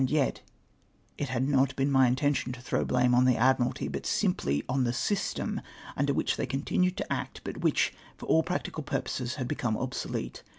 Yet it had not been my intention to throw blame on the Admiralty, but simply on the system under whicli they continued to act, but Avhich, for all practical pin^ poses, had become obsolete.